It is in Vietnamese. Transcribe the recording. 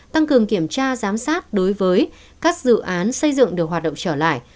tăng cường kiểm tra giám sát đối với các dự án xây dựng được hoạt động trở lại